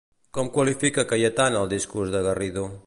Com qualifica Cayetana el discurs de Garrido?